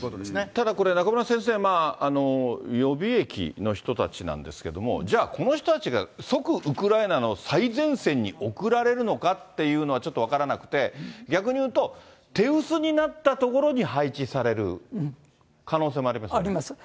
ただこれ、中村先生、予備役の人たちなんですけれども、じゃあ、この人たちが即ウクライナの最前線に送られるのかっていうのは、ちょっと分からなくて、逆に言うと、手薄になった所に配置される可能性もありますよね。ありますよ。